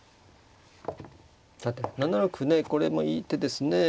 さて７六歩ねこれもいい手ですね。